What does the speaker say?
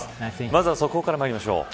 まずは、速報からまいりましょう。